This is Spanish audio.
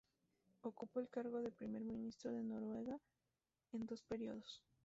Ocupó el cargo de primer ministro de Noruega en dos periodos.